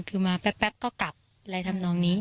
คือมาแป๊บก็กลับอะไรทำนองนี้